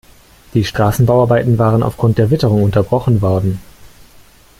Die Straßenbauarbeiten waren aufgrund der Witterung unterbrochen worden.